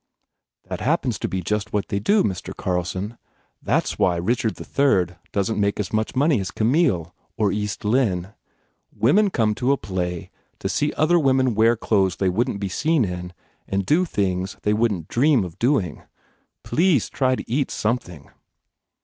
"That happens to be just what they do, Mr. Carlson. That s why Richard the Third doesn t 10 A PERSONAGE make as much money as Camille or East Lynne. Women come to a play to see other women wear clothes they wouldn t be seen in and do things they wouldn t dream of doing. Please try to eat something."